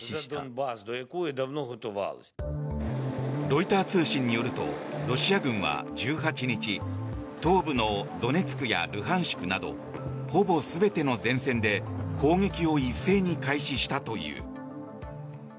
ロイター通信によるとロシア軍は１８日東部のドネツクやルハンシクなどほぼ全ての前線で攻撃を一斉に開始したという。